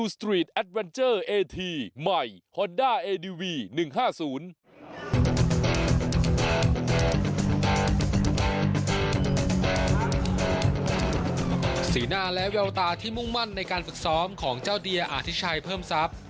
สีหน้าแล้วเยาวตาที่มุ่งมั่นในการฝึกซ้อมของเจ้าเดียอธิชัยเพิ่มทรัพย์